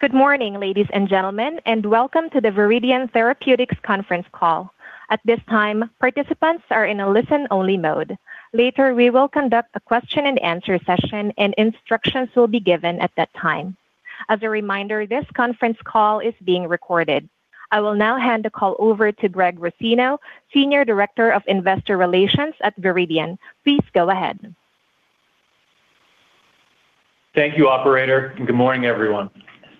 Good morning, ladies and gentlemen, and welcome to the Viridian Therapeutics conference call. At this time, participants are in a listen-only mode. Later, we will conduct a question-and-answer session and instructions will be given at that time. As a reminder, this conference call is being recorded. I will now hand the call over to Greg Rossino, Senior Director of Investor Relations at Viridian. Please go ahead. Thank you, operator. Good morning, everyone.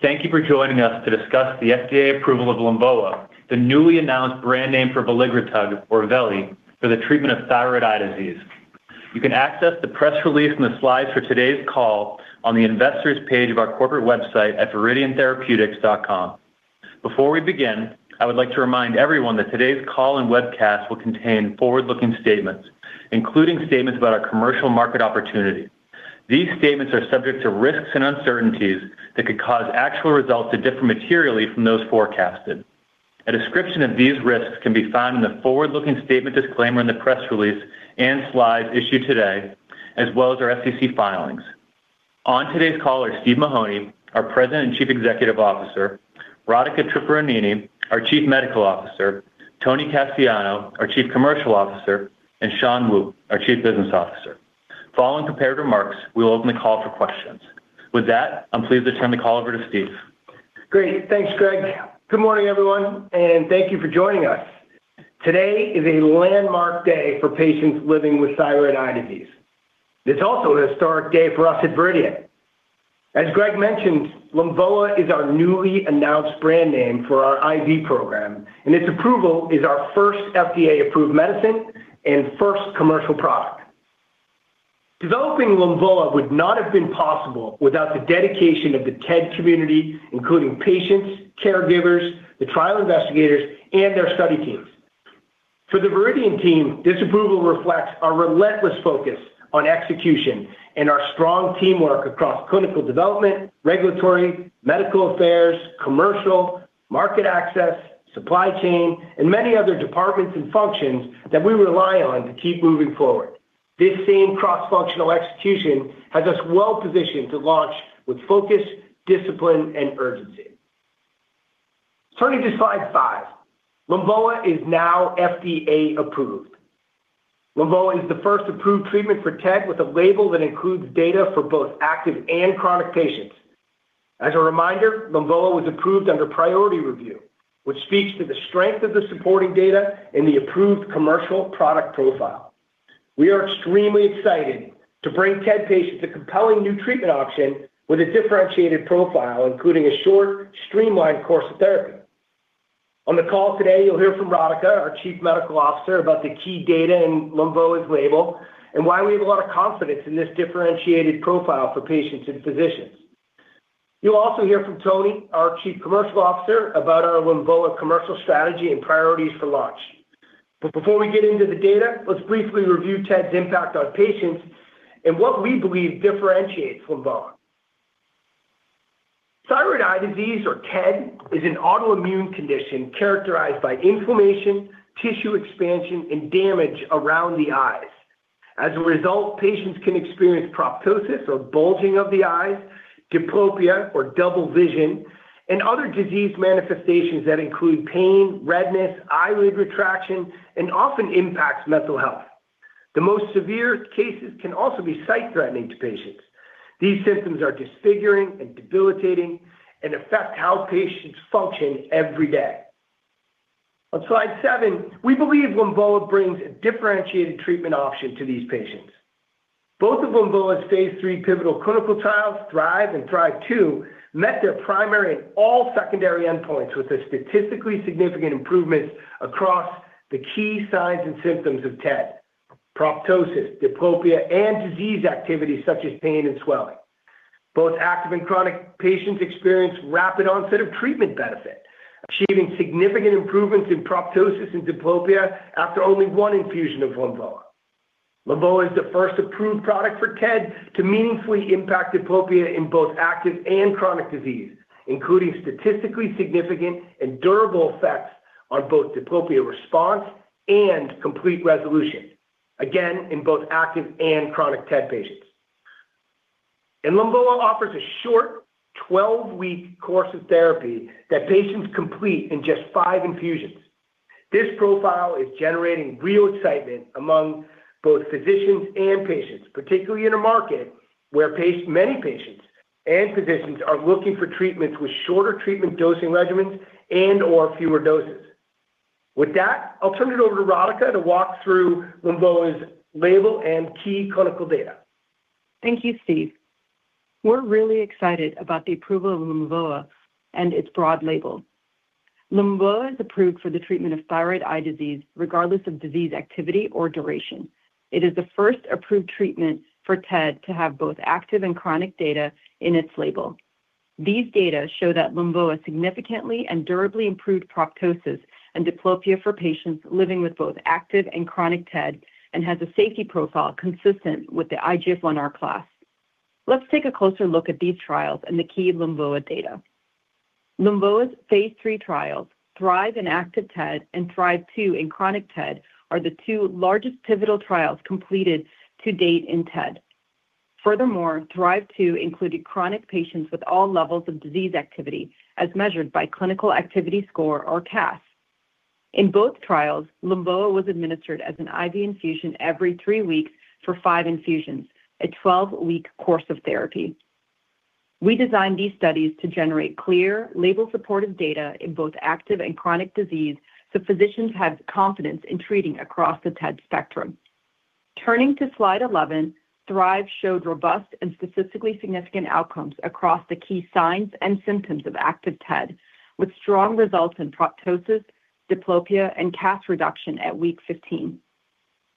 Thank you for joining us to discuss the FDA approval of Lumvoa, the newly announced brand name for veligrotug, or VELI, for the treatment of Thyroid Eye Disease. You can access the press release and the slides for today's call on the Investors Page of our corporate website at viridiantherapeutics.com. Before we begin, I would like to remind everyone that today's call and webcast will contain forward-looking statements, including statements about our commercial market opportunity. These statements are subject to risks and uncertainties that could cause actual results to differ materially from those forecasted. A description of these risks can be found in the forward-looking statement disclaimer in the press release and slides issued today, as well as our SEC filings. On today's call are Steve Mahoney, our President and Chief Executive Officer; Radhika Tripuraneni, our Chief Medical Officer; Tony Casciano, our Chief Commercial Officer; and Shan Wu, our Chief Business Officer. Following prepared remarks, we will open the call for questions. With that, I'm pleased to turn the call over to Steve. Great. Thanks, Greg. Good morning, everyone. Thank you for joining us. Today is a landmark day for patients living with Thyroid Eye Disease. It's also a historic day for us at Viridian. As Greg mentioned, Lumvoa is our newly announced brand name for our IV program, and its approval is our first FDA-approved medicine and first commercial product. Developing Lumvoa would not have been possible without the dedication of the TED community, including patients, caregivers, the trial investigators, and their study teams. For the Viridian team, this approval reflects our relentless focus on execution and our strong teamwork across clinical development, regulatory, medical affairs, commercial, market access, supply chain, and many other departments and functions that we rely on to keep moving forward. This same cross-functional execution has us well-positioned to launch with focus, discipline, and urgency. Turning to slide five, Lumvoa is now FDA-approved. Lumvoa is the first approved treatment for TED with a label that includes data for both active and chronic patients. As a reminder, Lumvoa was approved under priority review, which speaks to the strength of the supporting data and the approved commercial product profile. We are extremely excited to bring TED patients a compelling new treatment option with a differentiated profile, including a short, streamlined course of therapy. On the call today, you'll hear from Radhika, our Chief Medical Officer, about the key data in Lumvoa's label and why we have a lot of confidence in this differentiated profile for patients and physicians. You'll also hear from Tony, our Chief Commercial Officer, about our Lumvoa commercial strategy and priorities for launch. Before we get into the data, let's briefly review TED's impact on patients and what we believe differentiates Lumvoa. Thyroid Eye Disease, or TED, is an autoimmune condition characterized by inflammation, tissue expansion, and damage around the eyes. As a result, patients can experience proptosis, or bulging of the eyes, diplopia, or double vision, and other disease manifestations that include pain, redness, eyelid retraction, and often impacts mental health. The most severe cases can also be sight threatening to patients. These symptoms are disfiguring and debilitating and affect how patients function every day. On slide seven, we believe Lumvoa brings a differentiated treatment option to these patients. Both of Lumvoa's phase III pivotal clinical trials, THRIVE and THRIVE-2, met their primary and all secondary endpoints with a statistically significant improvements across the key signs and symptoms of TED. Proptosis, diplopia, and disease activity such as pain and swelling. Both active and chronic patients experienced rapid onset of treatment benefit, achieving significant improvements in proptosis and diplopia after only one infusion of Lumvoa. Lumvoa is the first approved product for TED to meaningfully impact diplopia in both active and chronic disease, including statistically significant and durable effects on both diplopia response and complete resolution. Again, in both active and chronic TED patients. Lumvoa offers a short 12-week course of therapy that patients complete in just five infusions. This profile is generating real excitement among both physicians and patients, particularly in a market where many patients and physicians are looking for treatments with shorter treatment dosing regimens and/or fewer doses. With that, I'll turn it over to Radhika to walk through Lumvoa's label and key clinical data. Thank you, Steve. We're really excited about the approval of Lumvoa and its broad label. Lumvoa is approved for the treatment of Thyroid Eye Disease regardless of disease activity or duration. It is the first approved treatment for TED to have both active and chronic data in its label. These data show that Lumvoa significantly and durably improved proptosis and diplopia for patients living with both active and chronic TED and has a safety profile consistent with the IGF-1R class. Let's take a closer look at these trials and the key Lumvoa data. Lumvoa's phase III trials, THRIVE in active TED and THRIVE-2 in chronic TED, are the two largest pivotal trials completed to-date in TED. Furthermore, THRIVE-2 included chronic patients with all levels of disease activity as measured by Clinical Activity Score or CAS. In both trials, Lumvoa was administered as an IV infusion every three weeks for five infusions, a 12-week course of therapy. We designed these studies to generate clear label supportive data in both active and chronic disease, so physicians have confidence in treating across the TED spectrum. Turning to slide 11, THRIVE showed robust and statistically significant outcomes across the key signs and symptoms of active TED, with strong results in proptosis, diplopia, and CAS reduction at week 15.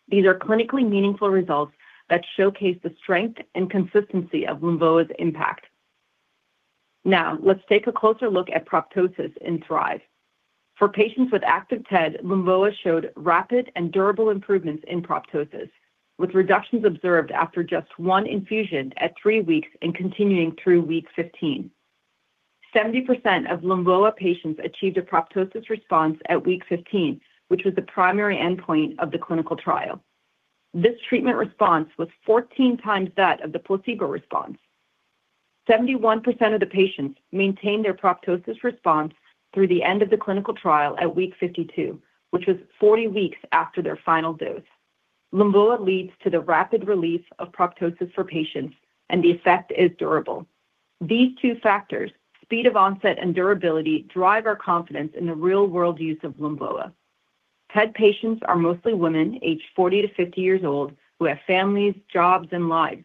These are clinically meaningful results that showcase the strength and consistency of Lumvoa's impact. Let's take a closer look at proptosis in THRIVE. For patients with active TED, Lumvoa showed rapid and durable improvements in proptosis, with reductions observed after just one infusion at three weeks and continuing through week 15. 70% of Lumvoa patients achieved a proptosis response at week 15, which was the primary endpoint of the clinical trial. This treatment response was 14x that of the placebo response. 71% of the patients maintained their proptosis response through the end of the clinical trial at week 52, which was 40 weeks after their final dose. Lumvoa leads to the rapid relief of proptosis for patients, and the effect is durable. These two factors, speed of onset and durability, drive our confidence in the real-world use of Lumvoa. TED patients are mostly women aged 40-50 years old who have families, jobs, and lives.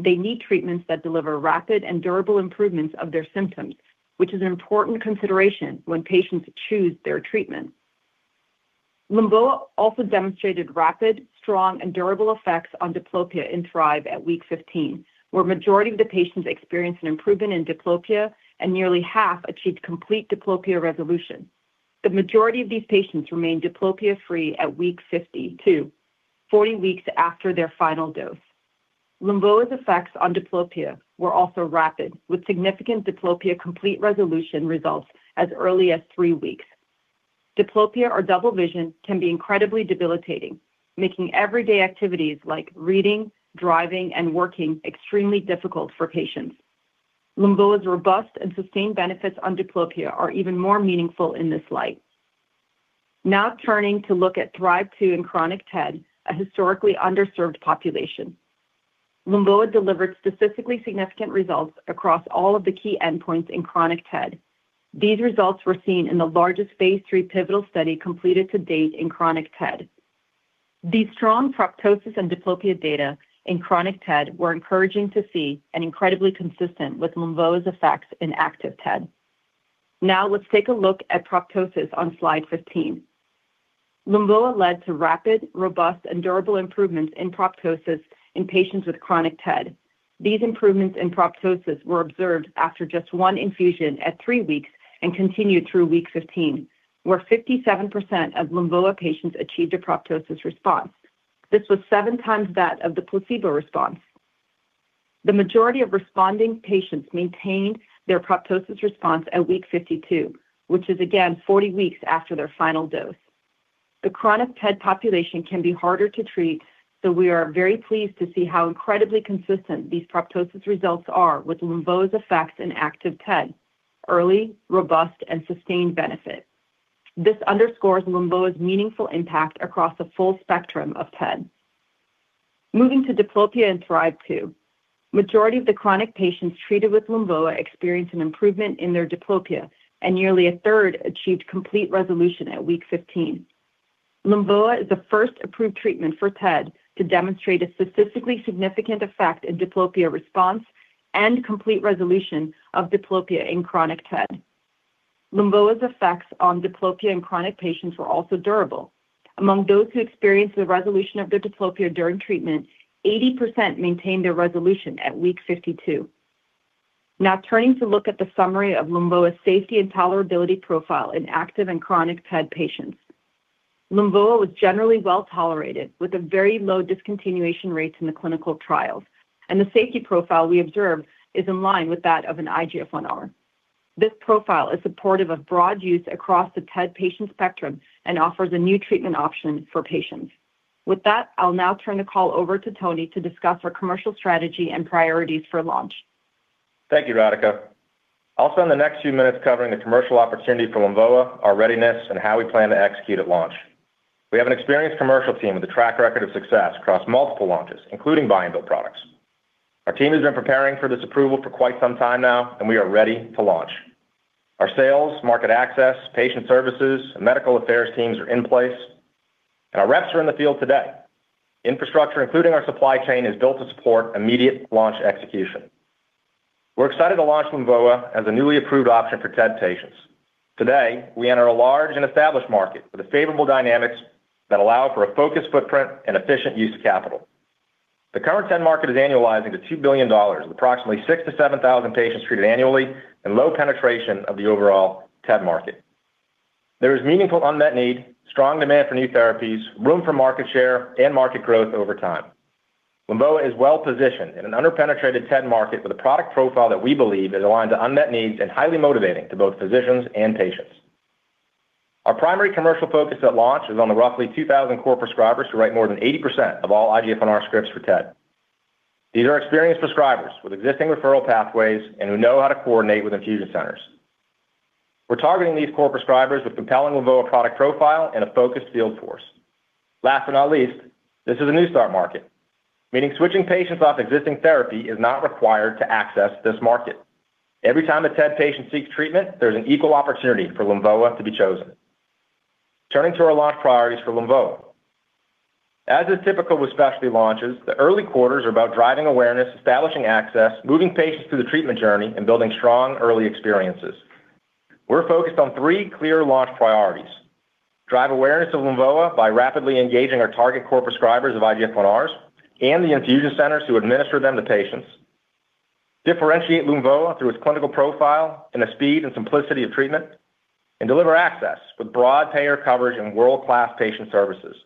They need treatments that deliver rapid and durable improvements of their symptoms, which is an important consideration when patients choose their treatment. Lumvoa also demonstrated rapid, strong, and durable effects on diplopia in THRIVE at week 15, where majority of the patients experienced an improvement in diplopia and nearly half achieved complete diplopia resolution. The majority of these patients remained diplopia-free at week 52, 40 weeks after their final dose. Lumvoa's effects on diplopia were also rapid, with significant diplopia complete resolution results as early as three weeks. Diplopia or double vision can be incredibly debilitating, making everyday activities like reading, driving, and working extremely difficult for patients. Lumvoa's robust and sustained benefits on diplopia are even more meaningful in this light. Turning to look at THRIVE-2 in chronic TED, a historically underserved population. Lumvoa delivered statistically significant results across all of the key endpoints in chronic TED. These results were seen in the largest phase III pivotal study completed to-date in chronic TED. These strong proptosis and diplopia data in chronic TED were encouraging to see and incredibly consistent with Lumvoa's effects in active TED. Let's take a look at proptosis on slide 15. Lumvoa led to rapid, robust, and durable improvements in proptosis in patients with chronic TED. These improvements in proptosis were observed after just one infusion at three weeks and continued through week 15, where 57% of Lumvoa patients achieved a proptosis response. This was seven times that of the placebo response. The majority of responding patients maintained their proptosis response at week 52, which is again 40 weeks after their final dose. The chronic TED population can be harder to treat, so we are very pleased to see how incredibly consistent these proptosis results are with Lumvoa's effects in active TED. Early, robust, and sustained benefit. This underscores Lumvoa's meaningful impact across the full spectrum of TED. Moving to diplopia in THRIVE-2. Majority of the chronic patients treated with Lumvoa experienced an improvement in their diplopia, and nearly a third achieved complete resolution at week 15. Lumvoa is the first approved treatment for TED to demonstrate a statistically significant effect in diplopia response and complete resolution of diplopia in chronic TED. Lumvoa's effects on diplopia in chronic patients were also durable. Among those who experienced the resolution of their diplopia during treatment, 80% maintained their resolution at week 52. Now turning to look at the summary of Lumvoa's safety and tolerability profile in active and chronic TED patients. Lumvoa was generally well-tolerated, with very low discontinuation rates in the clinical trials, and the safety profile we observed is in line with that of an IGF-1R. This profile is supportive of broad use across the TED patient spectrum and offers a new treatment option for patients. With that, I'll now turn the call over to Tony to discuss our commercial strategy and priorities for launch. Thank you, Radhika. I'll spend the next few minutes covering the commercial opportunity for Lumvoa, our readiness, and how we plan to execute at launch. We have an experienced commercial team with a track record of success across multiple launches, including buy and bill products. Our team has been preparing for this approval for quite some time now, and we are ready to launch. Our sales, market access, patient services, and medical affairs teams are in place, and our reps are in the field today. Infrastructure, including our supply chain, is built to support immediate launch execution. We're excited to launch Lumvoa as a newly approved option for TED patients. Today, we enter a large and established market with favorable dynamics that allow for a focused footprint and efficient use of capital. The current TED market is annualizing to $2 billion, with approximately 6,000 to 7,000 patients treated annually and low penetration of the overall TED market. There is meaningful unmet need, strong demand for new therapies, room for market share, and market growth over time. Lumvoa is well-positioned in an under-penetrated TED market with a product profile that we believe is aligned to unmet needs and highly motivating to both physicians and patients. Our primary commercial focus at launch is on the roughly 2,000 core prescribers who write more than 80% of all IGF-1R scripts for TED. These are experienced prescribers with existing referral pathways and who know how to coordinate with infusion centers. We're targeting these core prescribers with compelling Lumvoa product profile and a focused field force. Last but not least, this is a new start market, meaning switching patients off existing therapy is not required to access this market. Every time a TED patient seeks treatment, there's an equal opportunity for Lumvoa to be chosen. Turning to our launch priorities for Lumvoa. As is typical with specialty launches, the early quarters are about driving awareness, establishing access, moving patients through the treatment journey, and building strong early experiences. We're focused on three clear launch priorities. Drive awareness of Lumvoa by rapidly engaging our target core prescribers of IGF-1Rs and the infusion centers who administer them to patients. Differentiate Lumvoa through its clinical profile and the speed and simplicity of treatment, and deliver access with broad payer coverage and world-class patient services.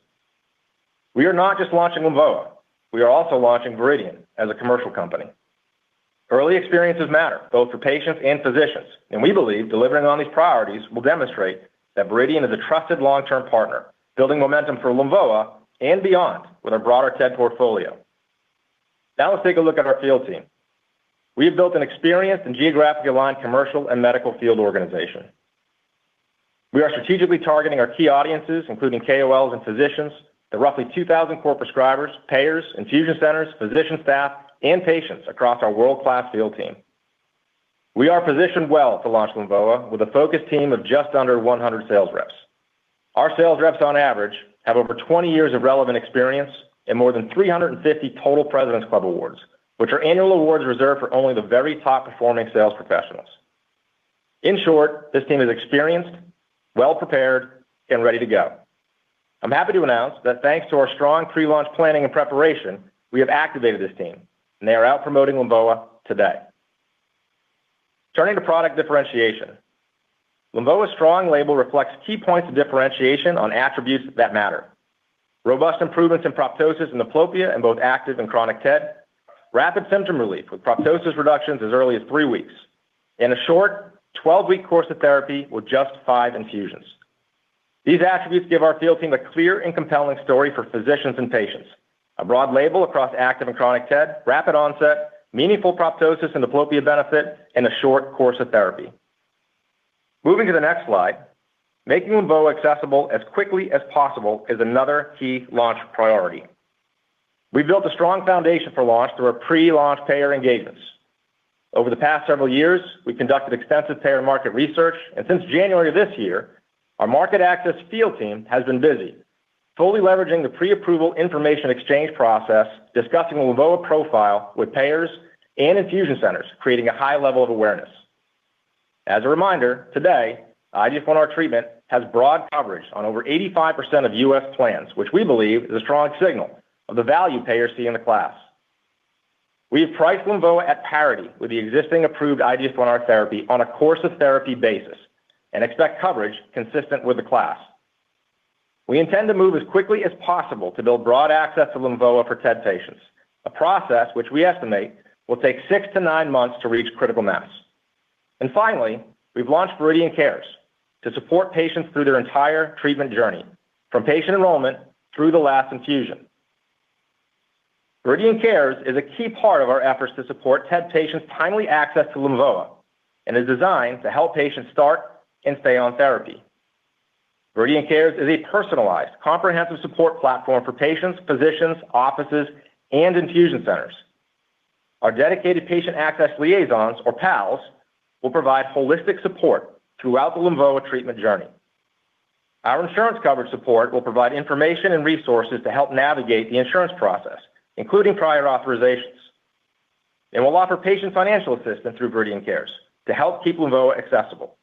We are not just launching Lumvoa, we are also launching Viridian as a commercial company. Early experiences matter both for patients and physicians, we believe delivering on these priorities will demonstrate that Viridian is a trusted long-term partner, building momentum for Lumvoa and beyond with our broader TED portfolio. Now let's take a look at our field team. We've built an experienced and geographically aligned commercial and medical field organization. We are strategically targeting our key audiences, including KOLs and physicians, the roughly 2,000 core prescribers, payers, infusion centers, physician staff, and patients across our world-class field team. We are positioned well to launch Lumvoa with a focus team of just under 100 sales reps. Our sales reps on average, have over 20 years of relevant experience and more than 350 total President's Club awards, which are annual awards reserved for only the very top-performing sales professionals. In short, this team is experienced, well-prepared, and ready to go. I'm happy to announce that thanks to our strong pre-launch planning and preparation, we have activated this team, and they are out promoting Lumvoa today. Turning to product differentiation. Lumvoa's strong label reflects key points of differentiation on attributes that matter. Robust improvements in proptosis and diplopia in both active and chronic TED, rapid symptom relief with proptosis reductions as early as three weeks. In a short 12-week course of therapy with just five infusions. These attributes give our field team a clear and compelling story for physicians and patients. A broad label across active and chronic TED, rapid onset, meaningful proptosis and diplopia benefit, and a short course of therapy. Moving to the next slide, making Lumvoa accessible as quickly as possible is another key launch priority. We've built a strong foundation for launch through our pre-launch payer engagements. Over the past several years, we've conducted extensive payer market research, and since January of this year, our market access field team has been busy totally leveraging the pre-approval information exchange process, discussing Lumvoa profile with payers and infusion centers, creating a high level of awareness. As a reminder, today, IGF-1R treatment has broad coverage on over 85% of U.S. plans, which we believe is a strong signal of the value payers see in the class. We have priced Lumvoa at parity with the existing approved IGF-1R therapy on a course of therapy basis and expect coverage consistent with the class. We intend to move as quickly as possible to build broad access to Lumvoa for TED patients, a process which we estimate will take six to nine months to reach critical mass. Finally, we've launched ViridianCares to support patients through their entire treatment journey, from patient enrollment through the last infusion. ViridianCares is a key part of our efforts to support TED patients' timely access to Lumvoa and is designed to help patients start and stay on therapy. ViridianCares is a personalized, comprehensive support platform for patients, physicians, offices, and infusion centers. Our dedicated Patient Access Liaisons or PALs will provide holistic support throughout the Lumvoa treatment journey. Our insurance coverage support will provide information and resources to help navigate the insurance process, including prior authorizations, and will offer patient financial assistance through ViridianCares to help keep Lumvoa accessible.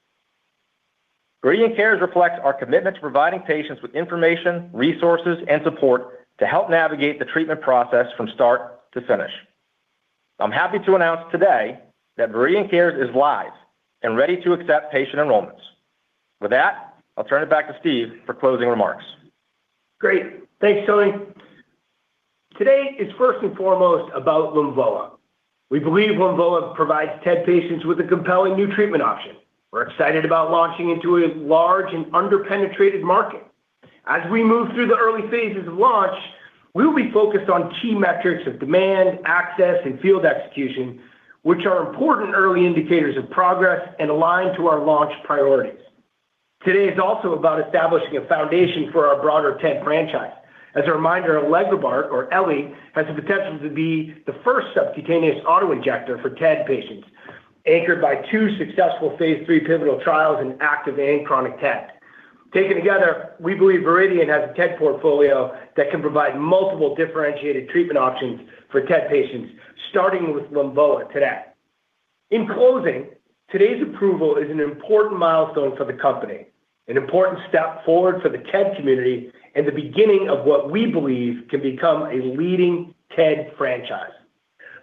ViridianCares reflects our commitment to providing patients with information, resources, and support to help navigate the treatment process from start to finish. I'm happy to announce today that ViridianCares is live and ready to accept patient enrollments. With that, I'll turn it back to Steve for closing remarks. Great. Thanks, Tony. Today is first and foremost about Lumvoa. We believe Lumvoa provides TED patients with a compelling new treatment option. We're excited about launching into a large and under-penetrated market. As we move through the early phases of launch, we'll be focused on key metrics of demand, access, and field execution, which are important early indicators of progress and aligned to our launch priorities. Today is also about establishing a foundation for our broader TED franchise. As a reminder, elegrobart or Ellie has the potential to be the first subcutaneous auto-injector for TED patients, anchored by two successful phase III pivotal trials in active and chronic TED. Taken together, we believe Viridian has a TED portfolio that can provide multiple differentiated treatment options for TED patients, starting with Lumvoa today. In closing, today's approval is an important milestone for the company, an important step forward for the TED community, and the beginning of what we believe can become a leading TED franchise.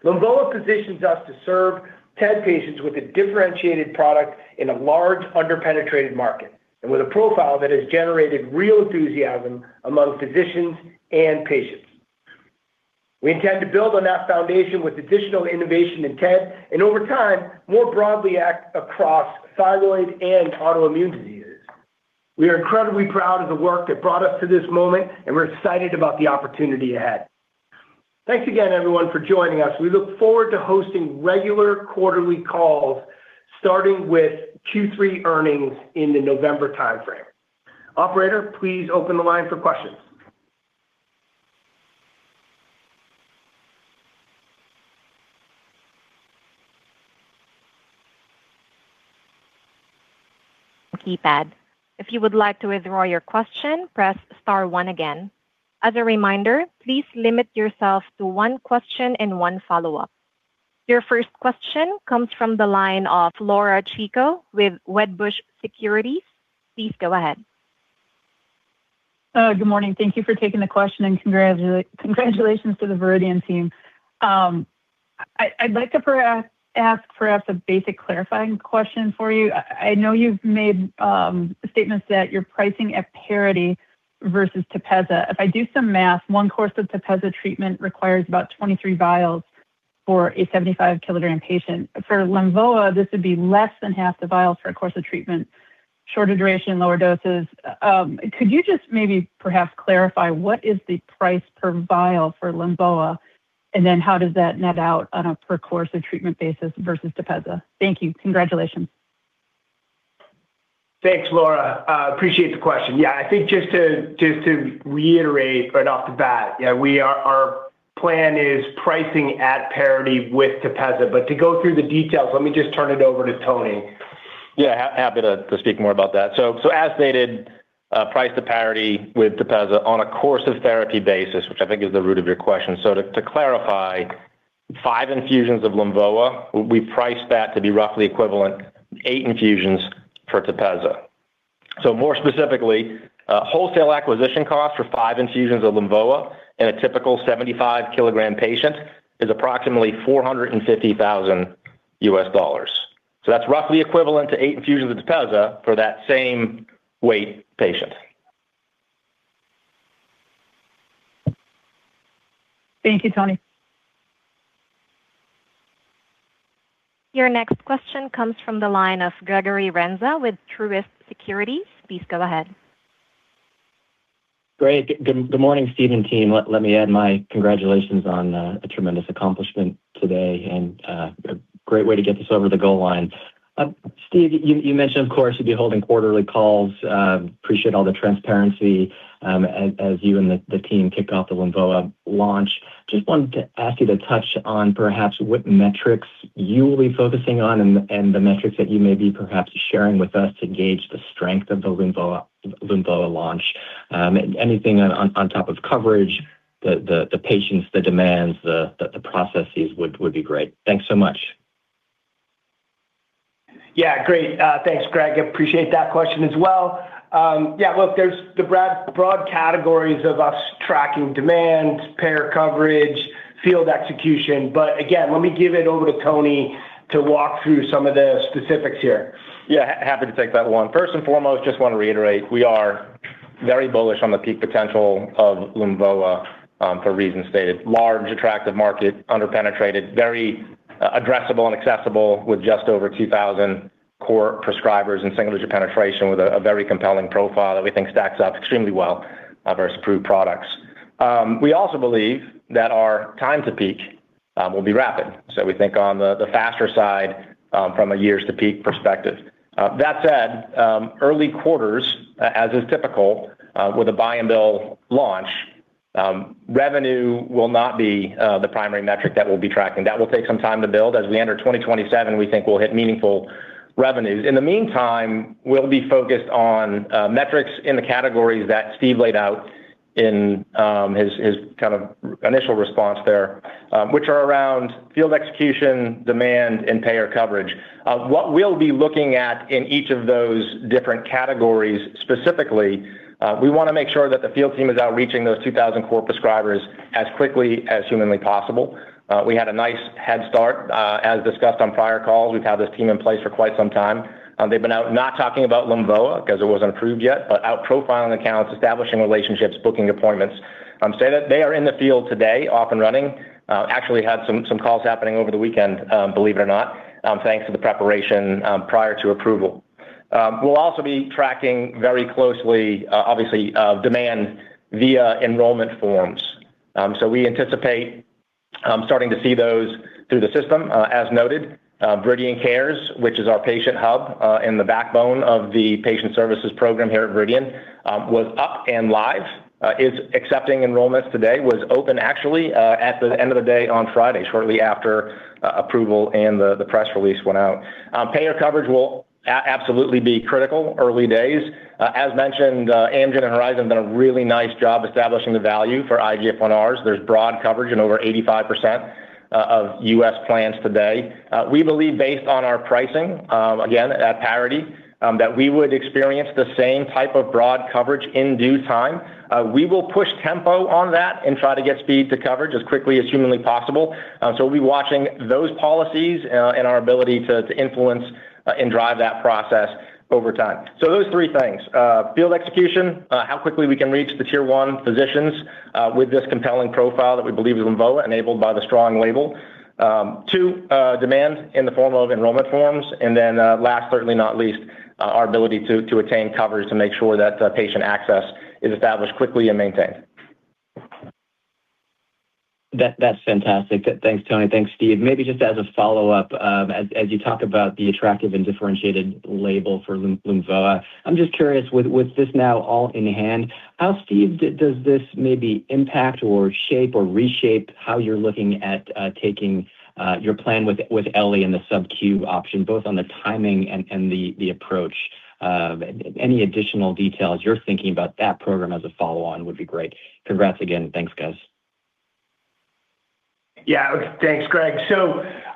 Lumvoa positions us to serve TED patients with a differentiated product in a large under-penetrated market and with a profile that has generated real enthusiasm among physicians and patients. We intend to build on that foundation with additional innovation intent and over time, more broadly act across thyroid and autoimmune diseases. We are incredibly proud of the work that brought us to this moment, and we're excited about the opportunity ahead. Thanks again, everyone for joining us. We look forward to hosting regular quarterly calls, starting with Q3 earnings in the November timeframe. Operator, please open the line for questions. Keypad. If you would like to withdraw your question, press star one again. As a reminder, please limit yourself to one question and one follow-up. Your first question comes from the line of Laura Chico with Wedbush Securities. Please go ahead. Good morning. Thank you for taking the question and congratulations to the Viridian team. I'd like to ask perhaps a basic clarifying question for you. I know you've made statements that you're pricing at parity versus Tepezza. If I do some math, one course of Tepezza treatment requires about 23 vials for a 75-kg patient. For Lumvoa, this would be less than half the vials for a course of treatment, shorter duration, lower doses. Could you just maybe perhaps clarify what is the price per vial for Lumvoa, and then how does that net out on a per course of treatment basis versus Tepezza? Thank you. Congratulations. Thanks, Laura. Appreciate the question. Yeah, I think just to reiterate right off the bat, our plan is pricing at parity with Tepezza. To go through the details, let me just turn it over to Tony. Yeah, happy to speak more about that. As stated, price to parity with Tepezza on a course of therapy basis, which I think is the root of your question. To clarify, five infusions of Lumvoa, we price that to be roughly equivalent to eight infusions for Tepezza. More specifically, wholesale acquisition cost for five infusions of Lumvoa in a typical 75-kg patient is approximately $450,000. That's roughly equivalent to eight infusions of Tepezza for that same weight patient. Thank you, Tony. Your next question comes from the line of Gregory Renza with Truist Securities. Please go ahead. Great. Good morning, Steve and team. Let me add my congratulations on a tremendous accomplishment today and a great way to get this over the goal line. Steve, you mentioned, of course, you'd be holding quarterly calls. Appreciate all the transparency as you and the team kick off the Lumvoa launch. Just wanted to ask you to touch on perhaps what metrics you will be focusing on and the metrics that you may be perhaps sharing with us to gauge the strength of the Lumvoa launch. Anything on top of coverage, the patients, the demands, the processes would be great. Thanks so much. Great. Thanks, Greg. Appreciate that question as well. Look, there's the broad categories of us tracking demand, payer coverage, field execution. Again, let me give it over to Tony to walk through some of the specifics here. Happy to take that one. First and foremost, just want to reiterate, we are very bullish on the peak potential of Lumvoa for reasons stated. Large, attractive market, under-penetrated, very addressable and accessible with just over 2,000 core prescribers and [significant] penetration with a very compelling profile that we think stacks up extremely well versus approved products. We also believe that our time to peak will be rapid. We think on the faster side from a years to peak perspective. That said, early quarters, as is typical with a buy and bill launch, revenue will not be the primary metric that we'll be tracking. That will take some time to build. As we enter 2027, we think we'll hit meaningful revenues. We'll be focused on metrics in the categories that Steve laid out in his initial response there, which are around field execution, demand, and payer coverage. What we'll be looking at in each of those different categories specifically, we want to make sure that the field team is out reaching those 2,000 core prescribers as quickly as humanly possible. We had a nice head start. As discussed on prior calls, we've had this team in place for quite some time. They've been out not talking about Lumvoa because it wasn't approved yet, but out profiling accounts, establishing relationships, booking appointments. They are in the field today off and running. Actually had some calls happening over the weekend, believe it or not, thanks to the preparation prior to approval. We'll also be tracking very closely, obviously, demand via enrollment forms. We anticipate starting to see those through the system. As noted, ViridianCares, which is our patient hub and the backbone of the patient services program here at Viridian, was up and live, is accepting enrollments today, was open actually at the end of the day on Friday, shortly after approval and the press release went out. Payer coverage will absolutely be critical early days. As mentioned, Amgen and Horizon have done a really nice job establishing the value for IGF-1Rs. There's broad coverage in over 85% of U.S. plans today. We believe based on our pricing, again, at parity, that we would experience the same type of broad coverage in due time. We will push tempo on that and try to get speed to coverage as quickly as humanly possible. We'll be watching those policies and our ability to influence and drive that process over time. Those three things, field execution, how quickly we can reach the Tier 1 physicians with this compelling profile that we believe is Lumvoa enabled by the strong label Two, demand in the form of enrollment forms. Last, certainly not least, our ability to attain coverage to make sure that patient access is established quickly and maintained. That's fantastic. Thanks, Tony. Thanks, Steve. Maybe just as a follow-up, as you talk about the attractive and differentiated label for Lumvoa, I'm just curious, with this now all in hand, how, Steve, does this maybe impact or shape or reshape how you're looking at taking your plan with Ellie and the subQ option, both on the timing and the approach? Any additional details you're thinking about that program as a follow-on would be great. Congrats again. Thanks, guys. Thanks, Greg.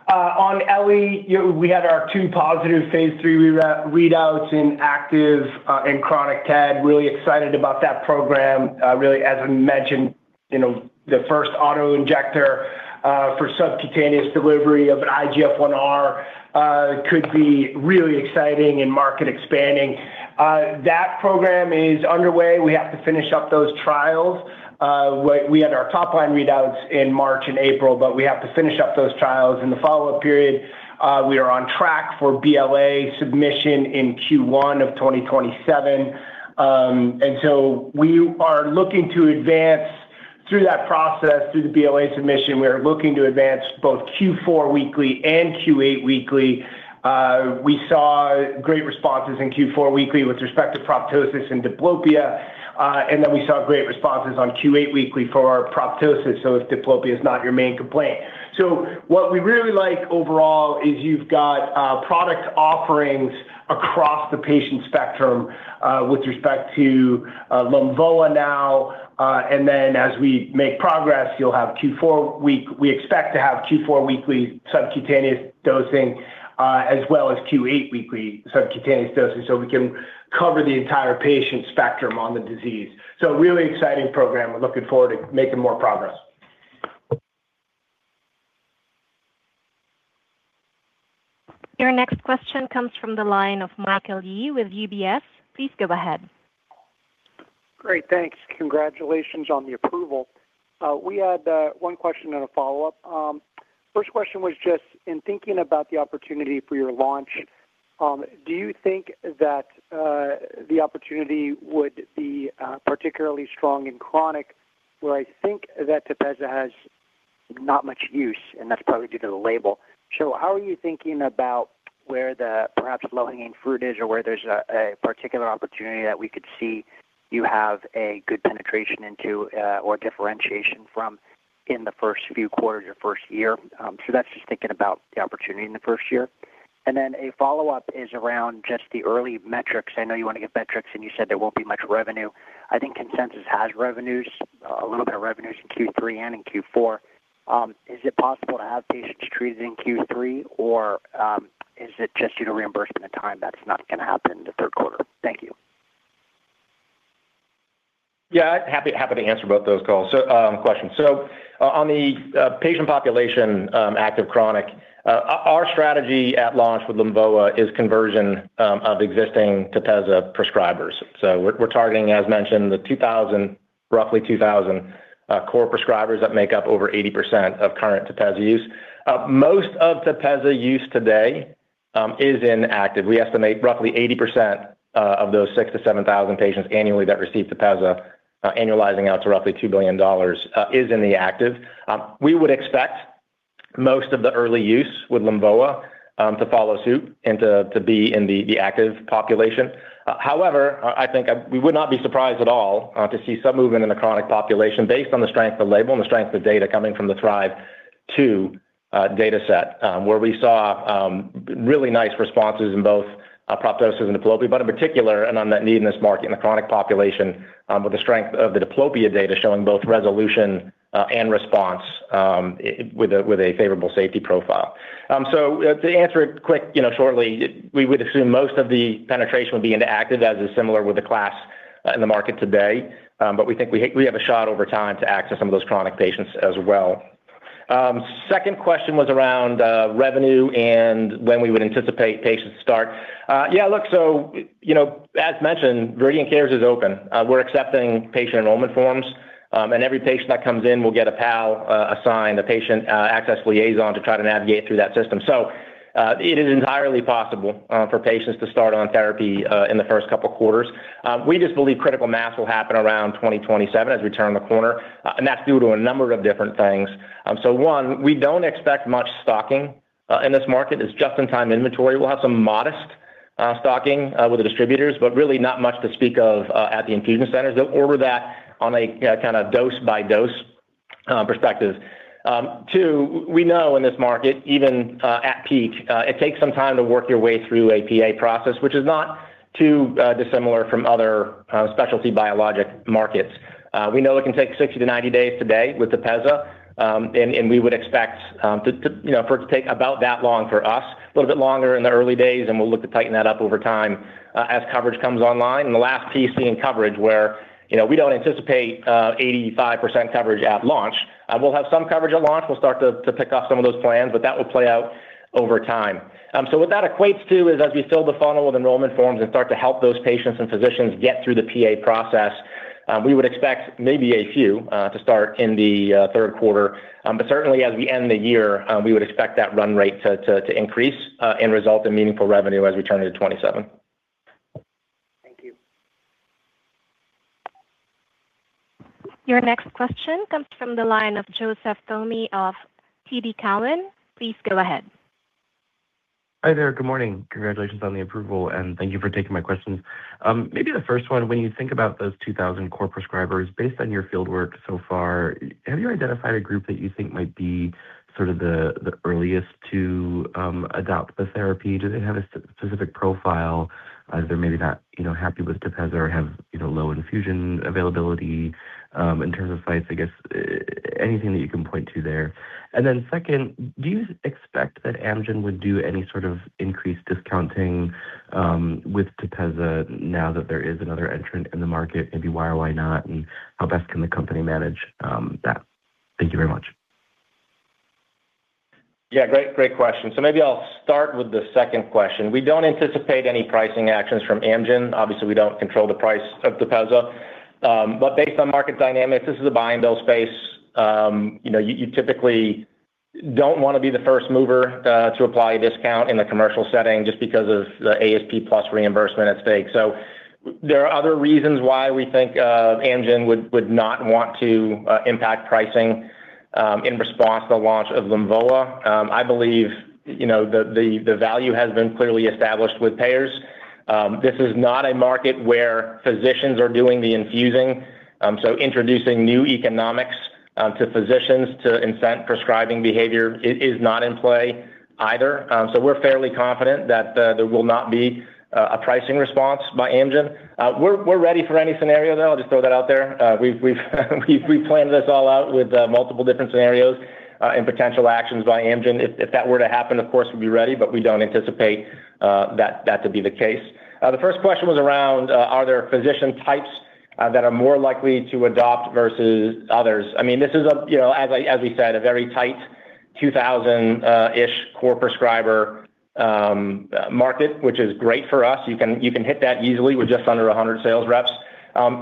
On Ellie, we had our two positive phase III readouts in active and chronic TED. Really excited about that program. Really, as we mentioned, the first auto-injector for subcutaneous delivery of an IGF-1R could be really exciting and market expanding. That program is underway. We have to finish up those trials. We had our top-line readouts in March and April, but we have to finish up those trials in the follow-up period. We are on track for BLA submission in Q1 2027. We are looking to advance through that process, through the BLA submission. We are looking to advance both Q4 weekly and Q8 weekly. We saw great responses in Q4 weekly with respect to proptosis and diplopia. We saw great responses on Q8 weekly for proptosis, so if diplopia is not your main complaint. What we really like overall is you've got product offerings across the patient spectrum with respect to Lumvoa now. As we make progress, we expect to have Q4 weekly subcutaneous dosing as well as Q8 weekly subcutaneous dosing so we can cover the entire patient spectrum on the disease. Really exciting program. We're looking forward to making more progress. Your next question comes from the line of Michael Yee with UBS. Please go ahead. Great. Thanks. Congratulations on the approval. We had one question and a follow-up. First question was just in thinking about the opportunity for your launch, do you think that the opportunity would be particularly strong in chronic, where I think that Tepezza has not much use, and that's probably due to the label. How are you thinking about where the perhaps low-hanging fruit is or where there's a particular opportunity that we could see you have a good penetration into or differentiation from in the first few quarters or first year? That's just thinking about the opportunity in the first year. Then a follow-up is around just the early metrics. I know you want to get metrics, and you said there won't be much revenue. I think consensus has revenues, a little bit of revenues in Q3 and in Q4. Is it possible to have patients treated in Q3, or is it just due to reimbursement time that it's not going to happen in the third quarter? Thank you. Yeah, happy to answer both those questions. On the patient population, active chronic, our strategy at launch with Lumvoa is conversion of existing Tepezza prescribers. We're targeting, as mentioned, the roughly 2,000 core prescribers that make up over 80% of current Tepezza use. Most of Tepezza use today is in active. We estimate roughly 80% of those 6,000 to 7,000 patients annually that receive Tepezza, annualizing out to roughly $2 billion, is in the active. We would expect most of the early use with Lumvoa to follow suit and to be in the active population. However, I think we would not be surprised at all to see some movement in the chronic population based on the strength of the label and the strength of data coming from the THRIVE-2 data set where we saw really nice responses in both proptosis and diplopia. In particular, on that need in this market, in the chronic population, with the strength of the diplopia data showing both resolution and response with a favorable safety profile. To answer it quick, shortly, we would assume most of the penetration would be into active, as is similar with the class in the market today. We think we have a shot over time to access some of those chronic patients as well. Second question was around revenue and when we would anticipate patients start. As mentioned, ViridianCares is open. We're accepting patient enrollment forms. Every patient that comes in will get a PAL assigned, a patient access liaison, to try to navigate through that system. It is entirely possible for patients to start on therapy in the first couple of quarters. We just believe critical mass will happen around 2027 as we turn the corner, and that's due to a number of different things. One, we don't expect much stocking in this market. It's just-in-time inventory. We'll have some modest stocking with the distributors, but really not much to speak of at the infusion centers. They'll order that on a dose-by-dose perspective. Two, we know in this market, even at peak, it takes some time to work your way through a PA process, which is not too dissimilar from other specialty biologic markets. We know it can take 60 to 90 days today with Tepezza, and we would expect for it to take about that long for us. A little bit longer in the early days, and we'll look to tighten that up over time as coverage comes online. The last piece being coverage where we don't anticipate 85% coverage at launch. We'll have some coverage at launch. We'll start to tick off some of those plans, but that will play out over time. What that equates to is as we fill the funnel with enrollment forms and start to help those patients and physicians get through the PA process We would expect maybe a few to start in the third quarter. Certainly as we end the year, we would expect that run-rate to increase and result in meaningful revenue as we turn into 2027. Thank you. Your next question comes from the line of Joseph Thome of TD Cowen. Please go ahead. Hi there. Good morning. Congratulations on the approval, and thank you for taking my questions. Maybe the first one, when you think about those 2,000 core prescribers, based on your fieldwork so far, have you identified a group that you think might be sort of the earliest to adopt the therapy? Do they have a specific profile? They're maybe not happy with Tepezza or have low infusion availability in terms of sites, I guess anything that you can point to there. Second, do you expect that Amgen would do any sort of increased discounting with Tepezza now that there is another entrant in the market? If so, why or why not, and how best can the company manage that? Thank you very much. Yeah, great question. Maybe I'll start with the second question. We don't anticipate any pricing actions from Amgen. Obviously, we don't control the price of Tepezza. Based on market dynamics, this is a buy-and-bill space. You typically don't want to be the first mover to apply a discount in the commercial setting just because of the ASP plus reimbursement at stake. There are other reasons why we think Amgen would not want to impact pricing in response to the launch of Lumvoa. I believe the value has been clearly established with payers. This is not a market where physicians are doing the infusing. Introducing new economics to physicians to incent prescribing behavior is not in play either. We're fairly confident that there will not be a pricing response by Amgen. We're ready for any scenario, though. I'll just throw that out there. We've planned this all out with multiple different scenarios and potential actions by Amgen. If that were to happen, of course, we'd be ready, but we don't anticipate that to be the case. The first question was around, are there physician types that are more likely to adopt versus others? This is, as we said, a very tight 2,000-ish core prescriber market, which is great for us. You can hit that easily with just under 100 sales reps.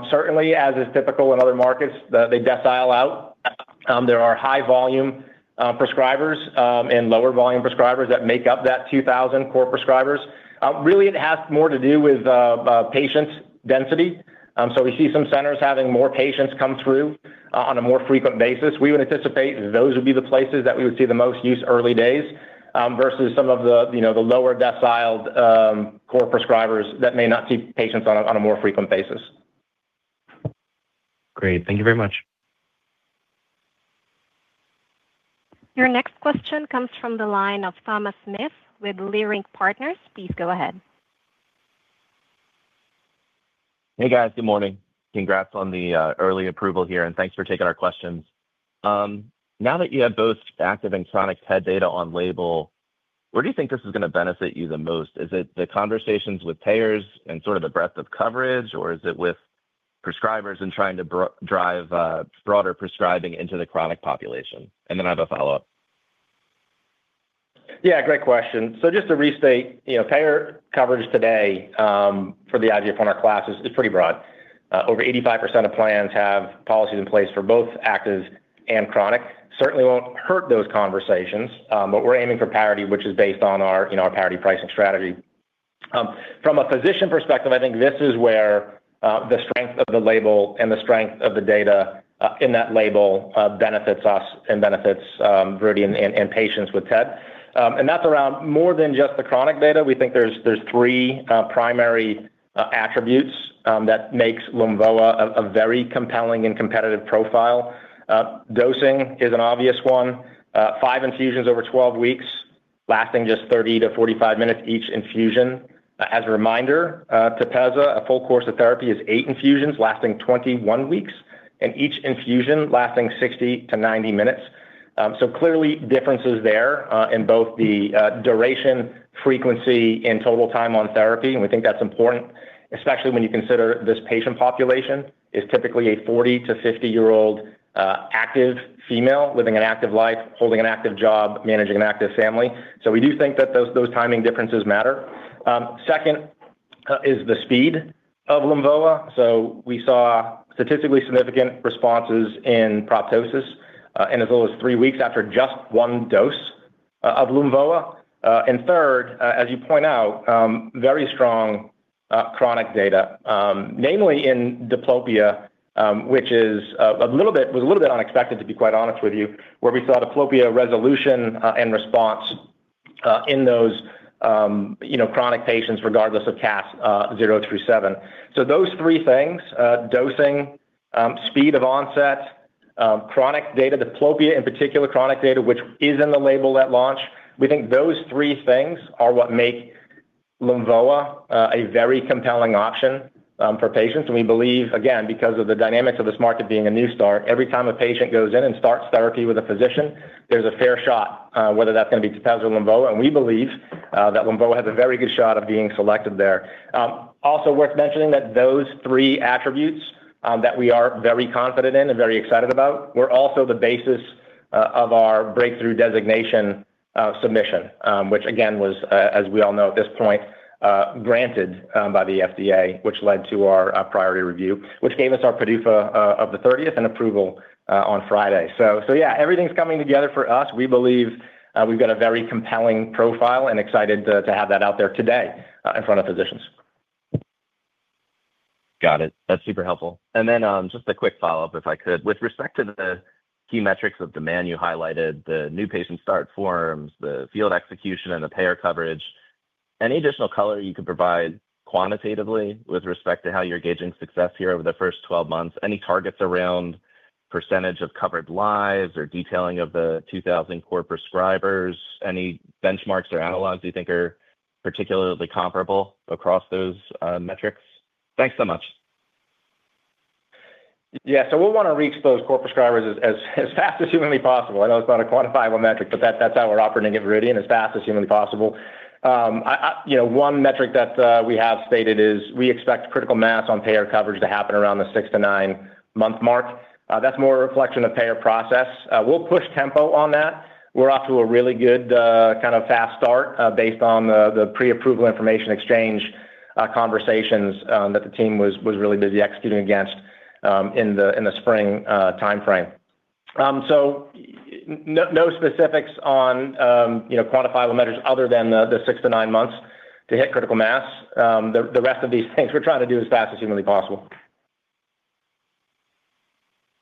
Certainly, as is typical in other markets, they decile out. There are high-volume prescribers and lower volume prescribers that make up that 2,000 core prescribers. It has more to do with patient density. We see some centers having more patients come through on a more frequent basis. We would anticipate those would be the places that we would see the most use early days, versus some of the lower decile core prescribers that may not see patients on a more frequent basis. Great. Thank you very much. Your next question comes from the line of Thomas Smith with Leerink Partners. Please go ahead. Hey, guys. Good morning. Congrats on the early approval here, and thanks for taking our questions. Now that you have both active and chronic TED data on label, where do you think this is going to benefit you the most? Is it the conversations with payers and sort of the breadth of coverage, or is it with prescribers and trying to drive broader prescribing into the chronic population? I have a follow-up. Great question. Just to restate, payer coverage today for the IGF-1R classes is pretty broad. Over 85% of plans have policies in place for both active and chronic. Certainly won't hurt those conversations, but we're aiming for parity, which is based on our parity pricing strategy. From a physician perspective, I think this is where the strength of the label and the strength of the data in that label benefits us and benefits Viridian and patients with TED. That's around more than just the chronic data. We think there are three primary attributes that make Lumvoa a very compelling and competitive profile. Dosing is an obvious one. Five infusions over 12 weeks, lasting just 30 to 45 minutes each infusion. As a reminder, Tepezza, a full course of therapy is eight infusions lasting 21 weeks, and each infusion lasting 60 to 90 minutes. Clearly differences there in both the duration, frequency, and total time on therapy. We think that's important, especially when you consider this patient population is typically a 40- to 50-year-old active female living an active life, holding an active job, managing an active family. We do think that those timing differences matter. Second is the speed of Lumvoa. We saw statistically significant responses in proptosis in as little as three weeks after just one dose of Lumvoa. Third, as you point out, very strong chronic data, namely in diplopia, which was a little bit unexpected, to be quite honest with you, where we saw diplopia resolution and response in those chronic patients, regardless of CAS zero through seven. Those three things, dosing, speed of onset, chronic data, diplopia in particular, chronic data, which is in the label at launch. We think those three things are what make Lumvoa a very compelling option for patients. We believe, again, because of the dynamics of this market being a new start, every time a patient goes in and starts therapy with a physician, there's a fair shot whether that's going to be Tepezza or Lumvoa, and we believe that Lumvoa has a very good shot of being selected there. Also worth mentioning that those three attributes that we are very confident in and very excited about were also the basis of our breakthrough designation submission, which again was, as we all know at this point, granted by the FDA, which led to our priority review, which gave us our PDUFA of the 30th and approval on Friday. Yes, everything's coming together for us. We believe we've got a very compelling profile and excited to have that out there today in front of physicians. Got it. That's super helpful. Then, just a quick follow-up if I could. With respect to the key metrics of demand you highlighted, the new patient start forms, the field execution and the payer coverage, any additional color you could provide quantitatively with respect to how you're gauging success here over the first 12 months? Any targets around percentage of covered lives or detailing of the 2,000 core prescribers? Any benchmarks or analogs you think are particularly comparable across those metrics? Thanks so much. We'll want to re-expose core prescribers as fast as humanly possible. I know it's not a quantifiable metric, but that's how we're operating at Viridian, as fast as humanly possible. One metric that we have stated is we expect critical mass on payer coverage to happen around the six- to nine-month mark. That's more a reflection of payer process. We'll push tempo on that. We're off to a really good fast start based on the pre-approval information exchange conversations that the team was really busy executing against in the spring timeframe. No specifics on quantifiable metrics other than the six to nine months to hit critical mass. The rest of these things we're trying to do as fast as humanly possible.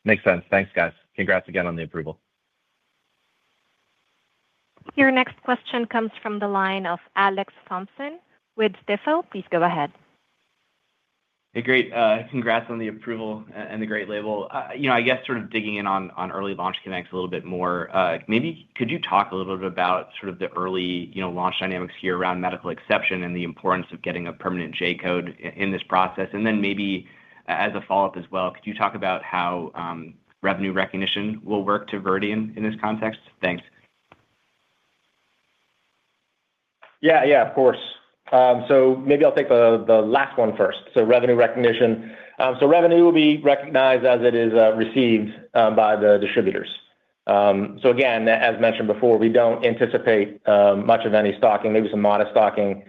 Makes sense. Thanks, guys. Congrats again on the approval. Your next question comes from the line of Alex Thompson with Stifel. Please go ahead. Hey, great. Congrats on the approval and the great label. I guess sort of digging in on early launch connects a little bit more. Maybe could you talk a little bit about sort of the early launch dynamics here around medical exception and the importance of getting a permanent J-code in this process? Then maybe as a follow-up as well, could you talk about how revenue recognition will work to Viridian in this context? Thanks. Yeah. Of course. Maybe I'll take the last one first. Revenue recognition. Revenue will be recognized as it is received by the distributors. Again, as mentioned before, we don't anticipate much of any stocking, maybe some modest stocking